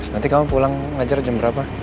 nanti kamu pulang ngajar jam berapa